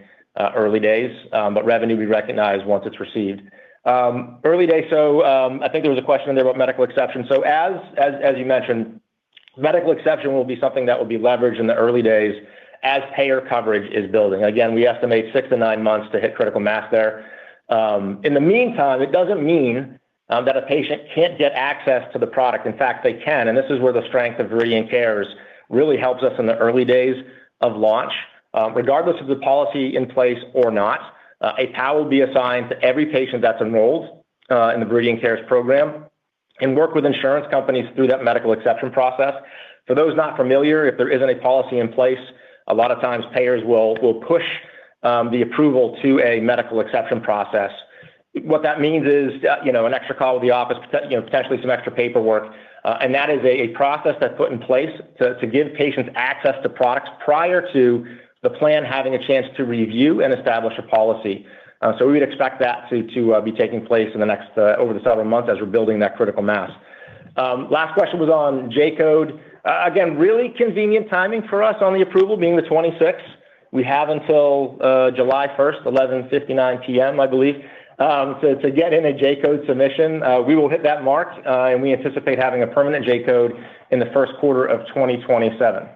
early days. Revenue will be recognized once it's received. Early days, I think there was a question in there about medical exception. As you mentioned, medical exception will be something that will be leveraged in the early days as payer coverage is building. Again, we estimate six to nine months to hit critical mass there. In the meantime, it doesn't mean that a patient can't get access to the product. In fact, they can, and this is where the strength of ViridianCares really helps us in the early days of launch. Regardless of the policy in place or not, a PAL will be assigned to every patient that's enrolled in the ViridianCares program and work with insurance companies through that medical exception process. For those not familiar, if there isn't a policy in place, a lot of times payers will push the approval to a medical exception process. What that means is an extra call to the office, potentially some extra paperwork. That is a process that's put in place to give patients access to products prior to the plan having a chance to review and establish a policy. We would expect that to be taking place over the several months as we're building that critical mass. Last question was on J-code. Again, really convenient timing for us on the approval being the 26th. We have until July 1st, 11:59 P.M., I believe, to get in a J-code submission. We will hit that mark, and we anticipate having a permanent J-code in the first quarter of 2027.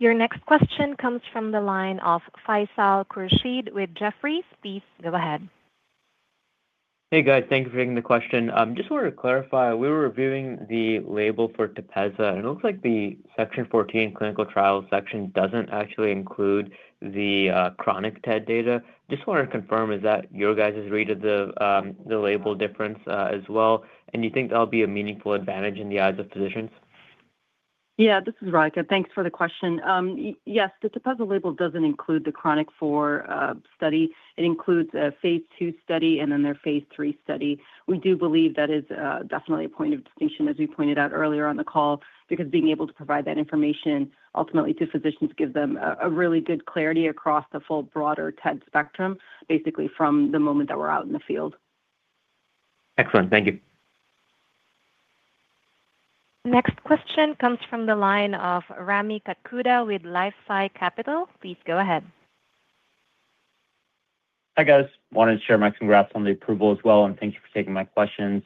Your next question comes from the line of Faisal Khurshid with Jefferies. Please go ahead. Hey, guys. Thank you for taking the question. Just wanted to clarify, we were reviewing the label for Tepezza, and it looks like the Section 14 Clinical Trials Section doesn't actually include the chronic TED data. Just wanted to confirm, is that you guys' read of the label difference as well, and do you think that'll be a meaningful advantage in the eyes of physicians? Yeah, this is Radhika. Thanks for the question. Yes, the Tepezza label doesn't include the chronic four study. It includes a phase II study and then their phase III study. We do believe that is definitely a point of distinction, as we pointed out earlier on the call, because being able to provide that information ultimately to physicians gives them a really good clarity across the full, broader TED spectrum, basically from the moment that we're out in the field. Excellent. Thank you. Next question comes from the line of Rami Katkhuda with LifeSci Capital. Please go ahead. Hi, guys. Wanted to share my congrats on the approval as well. Thank you for taking my questions.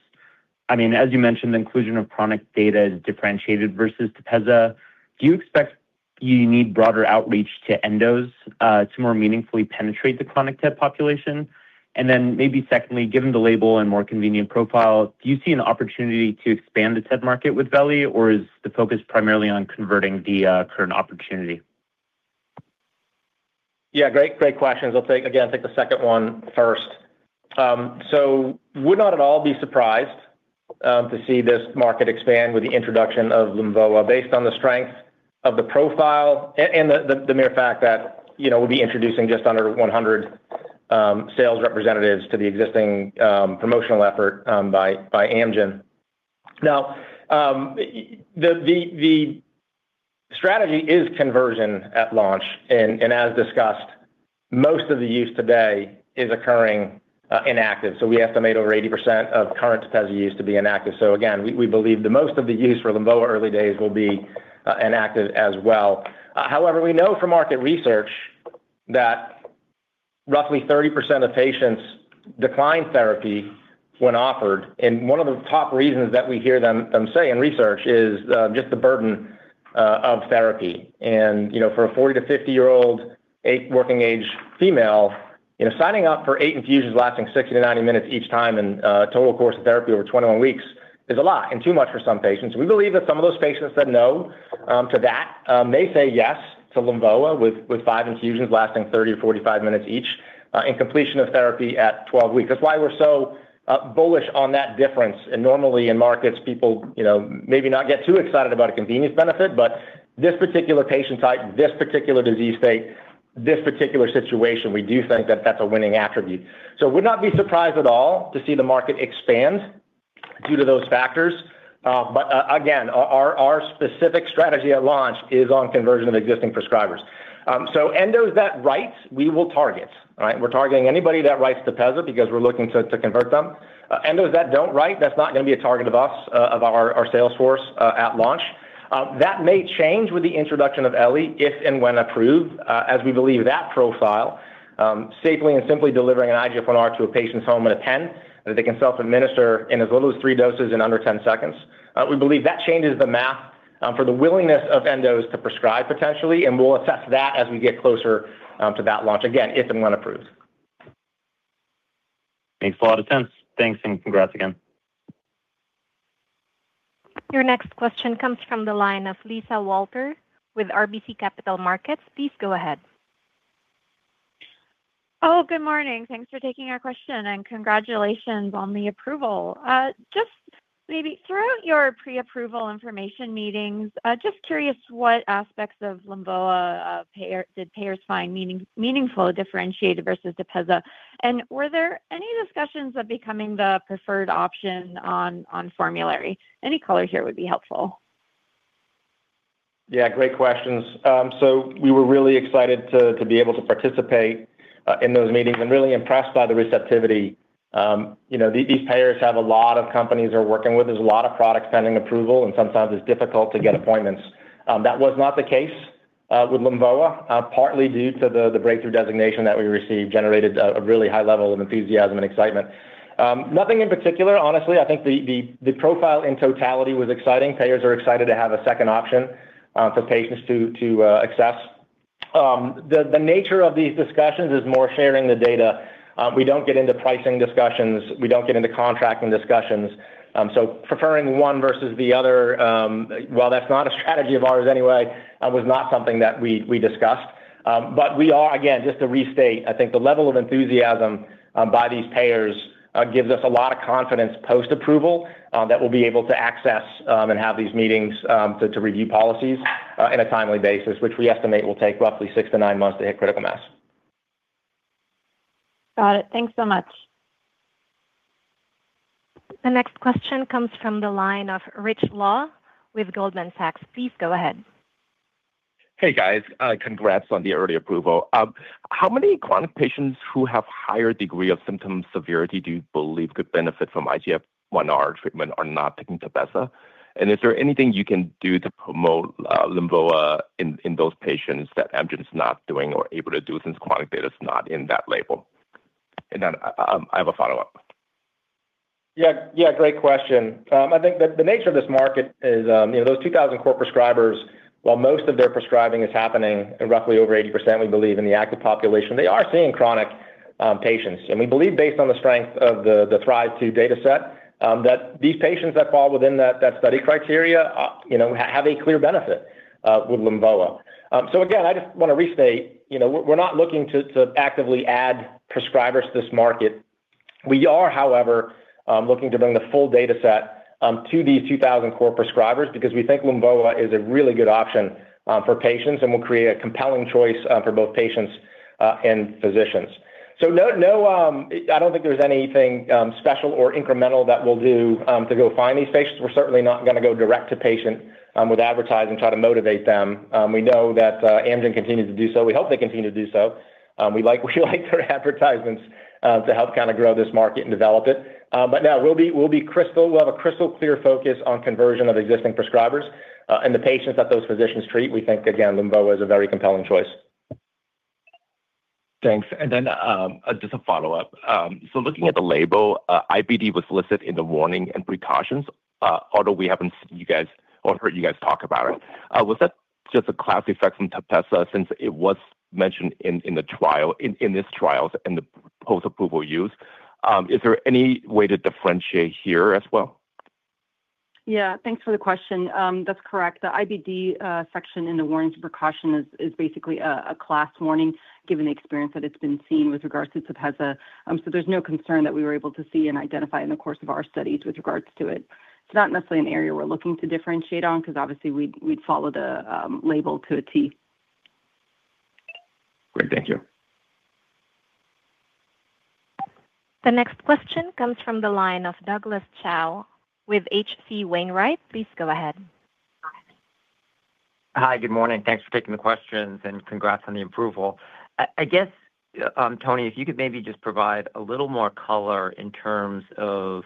As you mentioned, the inclusion of chronic data is differentiated versus Tepezza. Do you expect you need broader outreach to endos to more meaningfully penetrate the chronic TED population? Maybe secondly, given the label and more convenient profile, do you see an opportunity to expand the TED market with Veli, or is the focus primarily on converting the current opportunity? Yeah, great questions. I'll, again, take the second one first. Would not at all be surprised to see this market expand with the introduction of Lumvoa based on the strength of the profile and the mere fact that we'll be introducing just under 100 sales representatives to the existing promotional effort by Amgen. Now, the strategy is conversion at launch. As discussed, most of the use today is occurring in active. We estimate over 80% of current Tepezza use to be in active. Again, we believe that most of the use for Lumvoa early days will be in active as well. However, we know from market research that roughly 30% of patients decline therapy when offered. One of the top reasons that we hear them say in research is just the burden of therapy. For a 40-to 50-year-old working age female, signing up for eight infusions lasting 60 to 90 minutes each time and a total course of therapy over 21 weeks is a lot, and too much for some patients. We believe that some of those patients said no to that may say yes to Lumvoa with five infusions lasting 30 or 45 minutes each and completion of therapy at 12 weeks. That's why we're so bullish on that difference. Normally in markets, people maybe not get too excited about a convenience benefit, but this particular patient type, this particular disease state, this particular situation, we do think that that's a winning attribute. Would not be surprised at all to see the market expand due to those factors. But again, our specific strategy at launch is on conversion of existing prescribers. Endos that write, we will target. We're targeting anybody that writes Tepezza because we're looking to convert them. Endos that don't write, that's not going to be a target of us, of our sales force at launch. That may change with the introduction of Ellie, if and when approved, as we believe that profile, safely and simply delivering an IGF-1R to a patient's home in a pen that they can self-administer in as little as three doses in under 10 seconds. We believe that changes the math for the willingness of endos to prescribe potentially, and we'll assess that as we get closer to that launch. Again, if and when approved. Makes a lot of sense. Thanks, and congrats again. Your next question comes from the line of Lisa Walter with RBC Capital Markets. Please go ahead. Good morning. Thanks for taking our question, and congratulations on the approval. Throughout your pre-approval information meetings, what aspects of Lumvoa did payers find meaningful or differentiated versus Tepezza? Were there any discussions of becoming the preferred option on formulary? Any color here would be helpful. Great questions. We were really excited to be able to participate in those meetings and really impressed by the receptivity. These payers have a lot of companies they're working with. There's a lot of products pending approval, and sometimes it's difficult to get appointments. That was not the case with Lumvoa, partly due to the breakthrough designation that we received generated a really high level of enthusiasm and excitement. Nothing in particular, honestly. I think the profile in totality was exciting. Payers are excited to have a second option for patients to access. The nature of these discussions is more sharing the data. We don't get into pricing discussions. We don't get into contracting discussions. Preferring one versus the other, while that's not a strategy of ours anyway, was not something that we discussed. We are, again, just to restate, I think the level of enthusiasm by these payers gives us a lot of confidence post-approval that we'll be able to access and have these meetings to review policies in a timely basis, which we estimate will take roughly six to nine months to hit critical mass. Got it. Thanks so much. The next question comes from the line of Rich Law with Goldman Sachs. Please go ahead. Hey, guys. Congrats on the early approval. How many chronic patients who have higher degree of symptom severity do you believe could benefit from IGF-1R treatment are not taking Tepezza? Is there anything you can do to promote Lumvoa in those patients that Amgen's not doing or able to do since chronic data is not in that label? I have a follow-up. Yeah. Great question. I think that the nature of this market is those 2,000 core prescribers, while most of their prescribing is happening in roughly over 80%, we believe, in the active population, they are seeing chronic patients. We believe based on the strength of the THRIVE-2 data set that these patients that fall within that study criteria have a clear benefit with Lumvoa. Again, I just want to restate, we're not looking to actively add prescribers to this market. We are, however, looking to bring the full data set to these 2,000 core prescribers because we think Lumvoa is a really good option for patients and will create a compelling choice for both patients and physicians. I don't think there's anything special or incremental that we'll do to go find these patients. We're certainly not going to go direct to patient with advertising, try to motivate them. We know that Amgen continues to do so. We hope they continue to do so. We like their advertisements to help grow this market and develop it. No, we'll have a crystal clear focus on conversion of existing prescribers and the patients that those physicians treat. We think, again, Lumvoa is a very compelling choice. Thanks. Just a follow-up. Looking at the label, IBD was listed in the warning and precautions. Although we haven't seen you guys or heard you guys talk about it. Was that just a class effect from Tepezza since it was mentioned in this trial and the post-approval use? Is there any way to differentiate here as well? Yeah. Thanks for the question. That's correct. The IBD section in the warnings and precaution is basically a class warning given the experience that it's been seen with regards to Tepezza. There's no concern that we were able to see and identify in the course of our studies with regards to it. It's not necessarily an area we're looking to differentiate on because obviously we'd follow the label to a T. Great. Thank you. The next question comes from the line of Douglas Tsao with H.C. Wainwright. Please go ahead. Hi, good morning. Thanks for taking the questions. Congrats on the approval. I guess, Tony, if you could maybe just provide a little more color in terms of,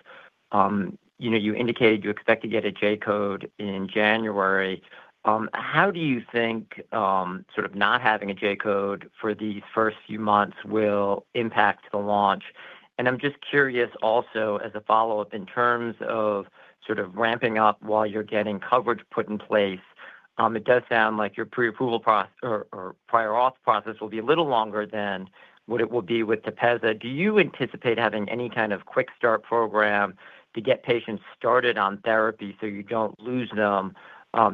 you indicated you expect to get a J-code in January. How do you think not having a J-code for these first few months will impact the launch? I'm just curious also as a follow-up in terms of ramping up while you're getting coverage put in place. It does sound like your pre-approval process or prior auth process will be a little longer than what it will be with Tepezza. Do you anticipate having any kind of quick start program to get patients started on therapy so you don't lose them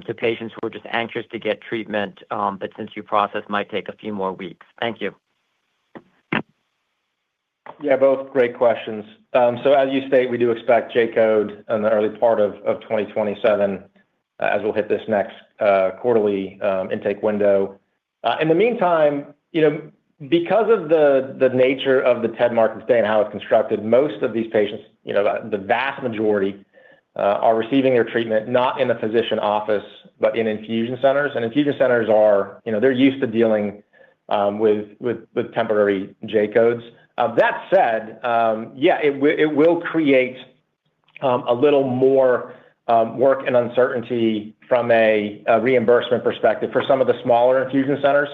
to patients who are just anxious to get treatment, but since your process might take a few more weeks? Thank you. Yeah, both great questions. As you state, we do expect J-code in the early part of 2027 as we'll hit this next quarterly intake window. In the meantime, because of the nature of the TED market today and how it's constructed, most of these patients, the vast majority are receiving their treatment not in a physician office, but in infusion centers. Infusion centers, they're used to dealing with temporary J-codes. That said, it will create a little more work and uncertainty from a reimbursement perspective for some of the smaller infusion centers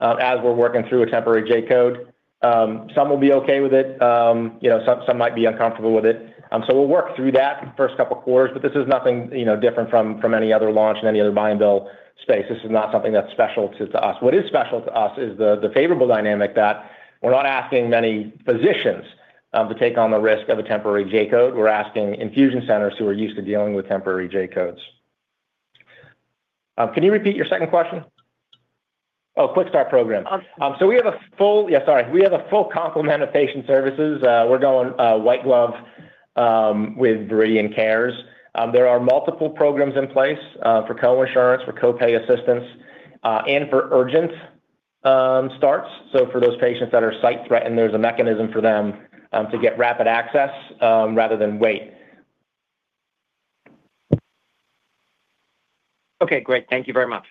as we're working through a temporary J-code. Some will be okay with it. Some might be uncomfortable with it. We'll work through that first couple quarters, but this is nothing different from any other launch in any other buy-and-bill space. This is not something that's special to us. What is special to us is the favorable dynamic that we're not asking many physicians to take on the risk of a temporary J-code. We're asking infusion centers who are used to dealing with temporary J-codes. Can you repeat your second question? Quick start program. Sorry. We have a full complement of patient services. We're going white glove with ViridianCares. There are multiple programs in place for coinsurance, for co-pay assistance, and for urgent starts. For those patients that are site-threatened, there's a mechanism for them to get rapid access rather than wait. Great. Thank you very much.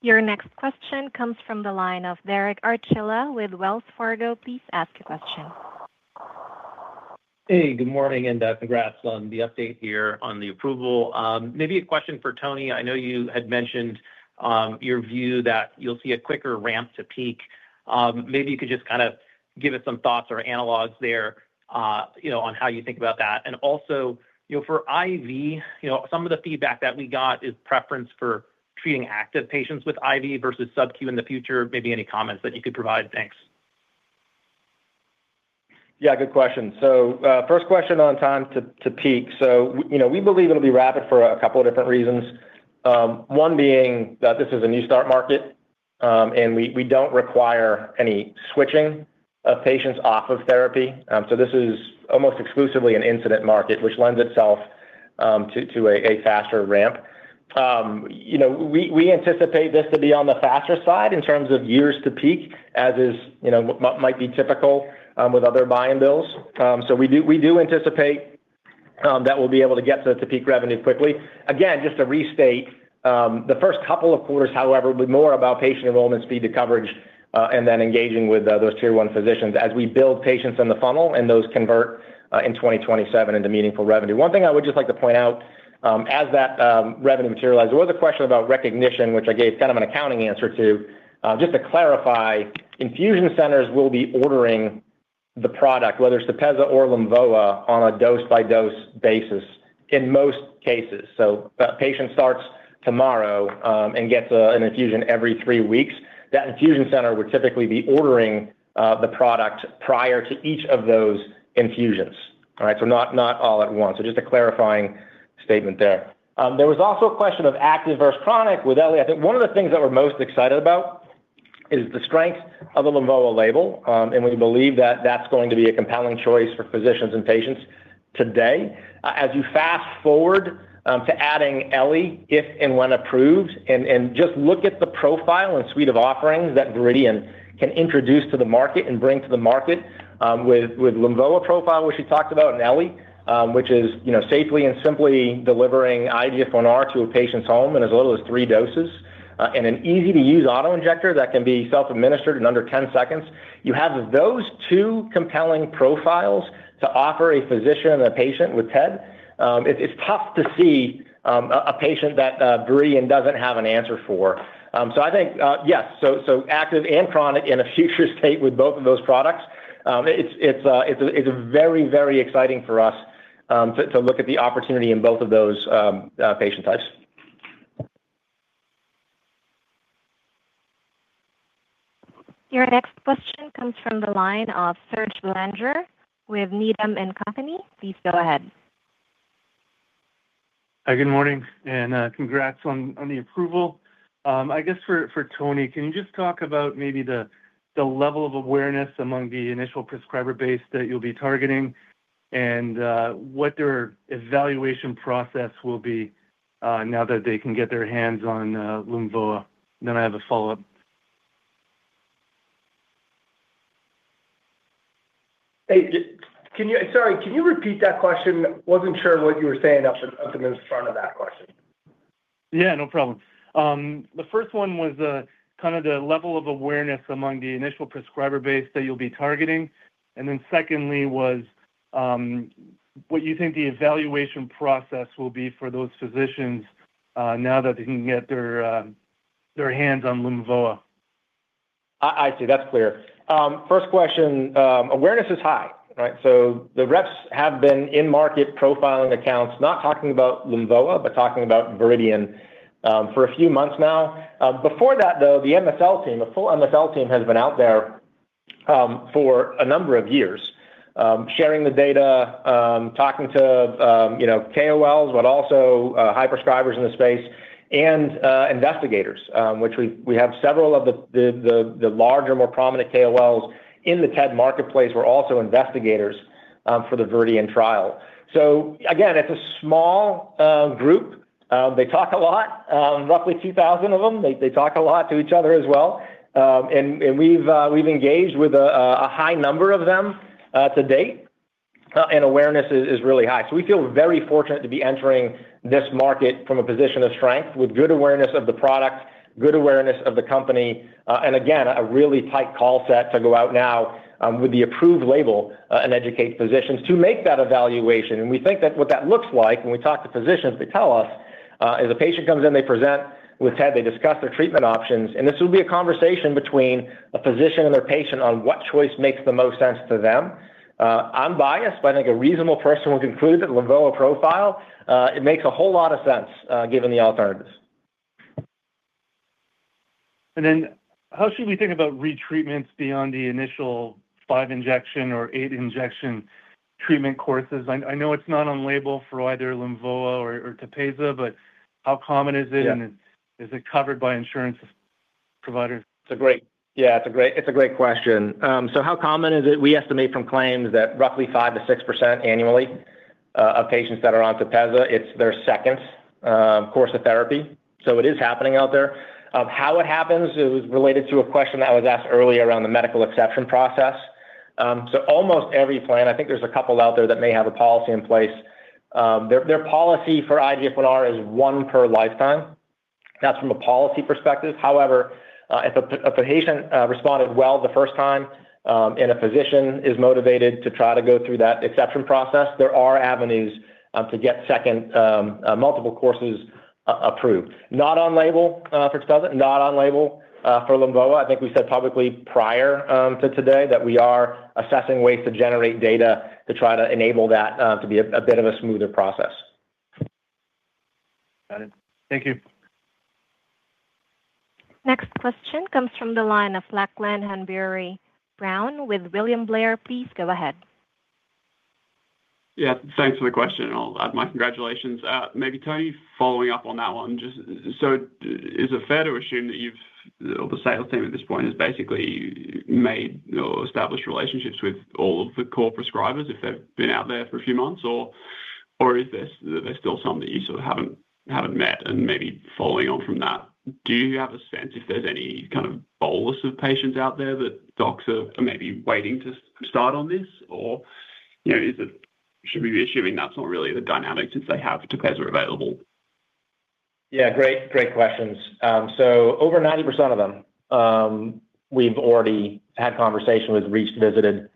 Your next question comes from the line of Derek Archila with Wells Fargo. Please ask a question. Hey, good morning, and congrats on the update here on the approval. Maybe a question for Tony. I know you had mentioned your view that you'll see a quicker ramp-to-peak. Maybe you could just give us some thoughts or analogs there on how you think about that. Also for IV, some of the feedback that we got is preference for treating active patients with IV versus subQ in the future. Maybe any comments that you could provide. Thanks. Yeah, good question. First question on time to peak. We believe it'll be rapid for a couple of different reasons. One being that this is a new start market, and we don't require any switching of patients off of therapy. This is almost exclusively an incident market, which lends itself to a faster ramp. We anticipate this to be on the faster side in terms of years to peak as is might be typical with other buy and bill. We do anticipate that we'll be able to get to peak revenue quickly. Again, just to restate, the first couple of quarters, however, will be more about patient enrollment, speed to coverage, and then engaging with those Tier 1 physicians as we build patients in the funnel and those convert in 2027 into meaningful revenue. One thing I would just like to point out as that revenue materializes. There was a question about recognition, which I gave kind of an accounting answer to. Just to clarify, infusion centers will be ordering the product, whether it's Tepezza or Lumvoa, on a dose-by-dose basis in most cases. If a patient starts tomorrow and gets an infusion every three weeks, that infusion center would typically be ordering the product prior to each of those infusions. All right, not all at once. Just a clarifying statement there. There was also a question of active versus chronic with Ellie. I think one of the things that we're most excited about is the strength of the Lumvoa label. We believe that that's going to be a compelling choice for physicians and patients today. As you fast-forward to adding Ellie, if and when approved, and just look at the profile and suite of offerings that Viridian can introduce to the market and bring to the market with Lumvoa profile, which we talked about, and Ellie which is safely and simply delivering IGF-1R to a patient's home in as little as three doses in an easy-to-use auto-injector that can be self-administered in under 10 seconds. You have those two compelling profiles to offer a physician and a patient with TED. It's tough to see a patient that Viridian doesn't have an answer for. I think, yes. So active and chronic in a future state with both of those products. It's very, very exciting for us to look at the opportunity in both of those patient types. Your next question comes from the line of Serge Belanger with Needham & Company. Please go ahead. Hi, good morning, and congrats on the approval. I guess for Tony, can you just talk about maybe the level of awareness among the initial prescriber base that you'll be targeting and what their evaluation process will be, now that they can get their hands on Lumvoa. I have a follow-up. Hey, sorry, can you repeat that question? Wasn't sure what you were saying up in the front of that question. Yeah, no problem. The first one was the level of awareness among the initial prescriber base that you'll be targeting. Secondly was what you think the evaluation process will be for those physicians now that they can get their hands on Lumvoa. I see. That's clear. First question, awareness is high, right? The reps have been in-market profiling accounts, not talking about Lumvoa, but talking about Viridian for a few months now. Before that though, the MSL team, the full MSL team, has been out there for a number of years, sharing the data, talking to KOLs, but also high prescribers in the space and investigators. Which we have several of the larger, more prominent KOLs in the TED marketplace who are also investigators for the Viridian trial. Again, it's a small group. They talk a lot. Roughly 2,000 of them. They talk a lot to each other as well. We've engaged with a high number of them to-date. Awareness is really high. We feel very fortunate to be entering this market from a position of strength with good awareness of the product, good awareness of the company, and again, a really tight call set to go out now with the approved label and educate physicians to make that evaluation. We think that what that looks like when we talk to physicians, they tell us as a patient comes in, they present with TED, they discuss their treatment options, and this will be a conversation between a physician and their patient on what choice makes the most sense to them. I'm biased, but I think a reasonable person will conclude that Lumvoa profile makes a whole lot of sense given the alternatives. How should we think about retreatments beyond the initial five-injection or eight-injection treatment courses? I know it's not on label for either Lumvoa or Tepezza, but how common is it? Yeah. Is it covered by insurance providers? Yeah. It's a great question. How common is it? We estimate from claims that roughly 5%-6% annually of patients that are on Tepezza, it's their second course of therapy. It is happening out there. How it happens is related to a question that was asked earlier around the medical exception process. Almost every plan, I think there's a couple out there that may have a policy in place, their policy for IGF-1R is one per lifetime. That's from a policy perspective. However, if a patient responded well the first time and a physician is motivated to try to go through that exception process, there are avenues to get second multiple courses approved. Not on label for Tepezza, not on label for Lumvoa. I think we said publicly prior to today that we are assessing ways to generate data to try to enable that to be a bit of a smoother process. Got it. Thank you. Next question comes from the line of Lachlan Hanbury-Brown with William Blair. Please go ahead. Yeah. Thanks for the question, I'll add my congratulations. Is it fair to assume that the sales team at this point has basically made or established relationships with all of the core prescribers if they've been out there for a few months, or is there still some that you sort of haven't met? And maybe following on from that, do you have a sense if there's any kind of bolus of patients out there that docs are maybe waiting to start on this? Or should we be assuming that's not really the dynamic since they have Tepezza available? Yeah, great questions. Over 90% of them we've already had conversation with, reached, visited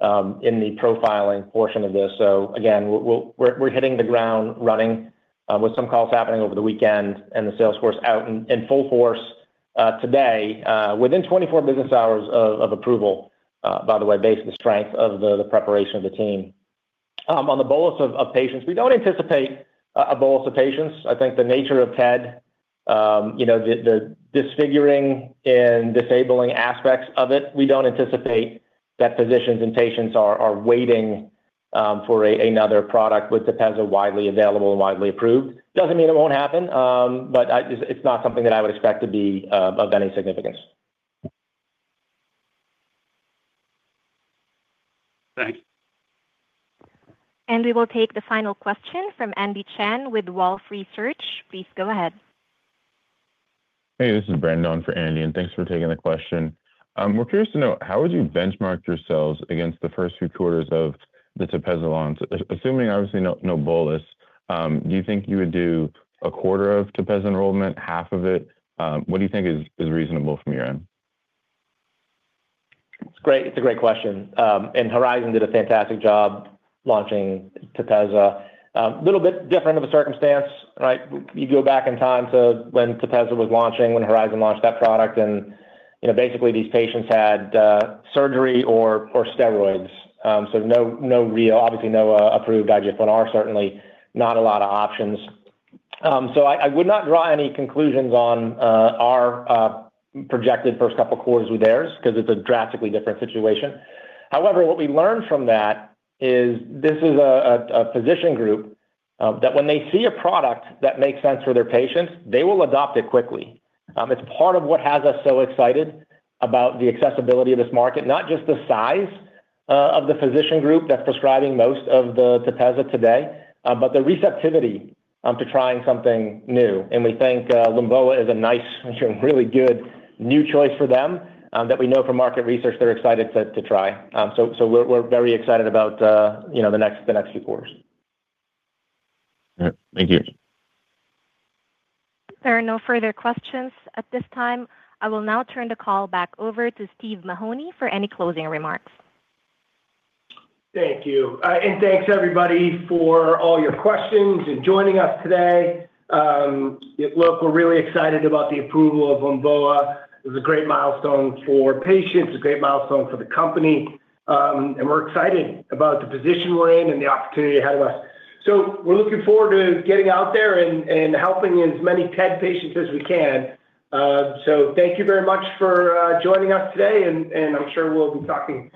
in the profiling portion of this. Again, we're hitting the ground running with some calls happening over the weekend and the sales force out in full force today within 24 business hours of approval by the way, based on the strength of the preparation of the team. On the bolus of patients, we don't anticipate a bolus of patients. I think the nature of TED, the disfiguring and disabling aspects of it, we don't anticipate that physicians and patients are waiting for another product with Tepezza widely available and widely approved. Doesn't mean it won't happen, but it's not something that I would expect to be of any significance. Thanks. We will take the final question from Andy Chen with Wolfe Research. Please go ahead. Hey. This is Brandon for Andy, thanks for taking the question. We're curious to know, how would you benchmark yourselves against the first few quarters of the Tepezza launch? Assuming obviously no bolus, do you think you would do a quarter of Tepezza enrollment, half of it? What do you think is reasonable from your end? It's a great question. Horizon did a fantastic job launching Tepezza. Little bit different of a circumstance. You go back in time to when Tepezza was launching, when Horizon launched that product, basically these patients had surgery or steroids. Obviously no approved IGF-1R. Certainly not a lot of options. I would not draw any conclusions on our projected first couple quarters with theirs because it's a drastically different situation. However, what we learned from that is this is a physician group that when they see a product that makes sense for their patients, they will adopt it quickly. It's part of what has us so excited about the accessibility of this market, not just the size of the physician group that's prescribing most of the Tepezza today, but the receptivity to trying something new. We think Lumvoa is a nice really good new choice for them that we know from market research they're excited to try. We're very excited about the next few quarters. All right. Thank you. There are no further questions at this time. I will now turn the call back over to Steve Mahoney for any closing remarks. Thank you. Thanks everybody for all your questions and joining us today. Look, we're really excited about the approval of Lumvoa. It was a great milestone for patients, a great milestone for the company. We're excited about the position we're in and the opportunity ahead of us. We're looking forward to getting out there and helping as many TED patients as we can. Thank you very much for joining us today, and I'm sure we'll be talking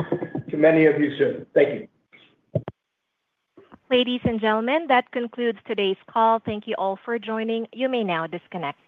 to many of you soon. Thank you. Ladies and gentlemen, that concludes today's call. Thank you all for joining. You may now disconnect.